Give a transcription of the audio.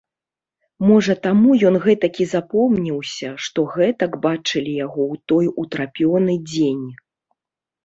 Можа, таму ён гэтакі запомніўся, што гэтак бачылі яго ў той утрапёны дзень.